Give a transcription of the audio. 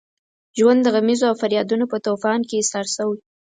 ژوند د غمیزو او فریادونو په طوفان کې ایسار شوی.